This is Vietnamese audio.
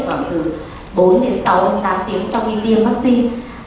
khoảng từ bốn đến sáu đến tám tiếng sau khi tiêm vaccine